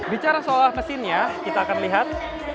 bicara soal mesinnya kita akan lihat